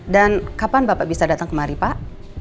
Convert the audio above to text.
dan kapan bapak bisa datang kemari pak